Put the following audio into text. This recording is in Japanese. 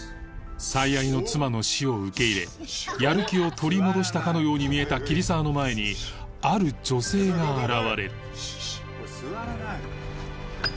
最愛の妻の死を受け入れやる気を取り戻したかのように見えた桐沢の前にある女性が現れる